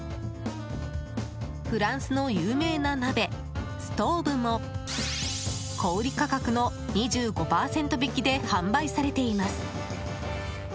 フランスの有名な鍋、ストウブも小売価格の２５％引きで販売されています。